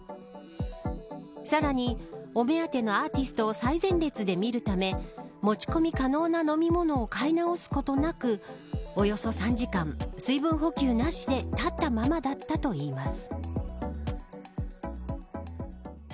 さらに、お目当てのアーティストを最前列で見るため持ち込み可能な飲み物を買い直すことなくおよそ３時間、水分補給なしで立ったままだったといいます。